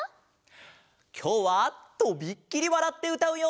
きょうはとびっきりわらってうたうよ！